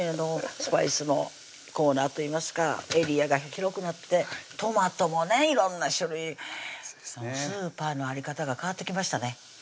スパイスのコーナーといいますかエリアが広くなってトマトもね色んな種類スーパーのあり方が変わってきましたね